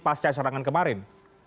pasca sarangan kemarin